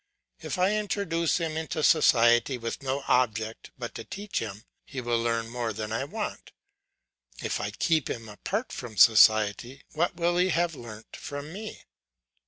If I introduce him into society with no object but to teach him, he will learn more than I want. If I keep him apart from society, what will he have learnt from me?